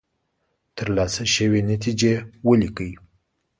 ترلاسه شوې نتیجې ولیکئ.